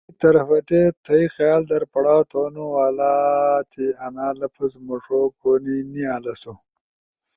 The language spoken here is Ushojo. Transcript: دومونگی طرفتی، تھئی خیال در پڑاؤ تھونو والا تی انا لفظ مݜو کونی نیالسو،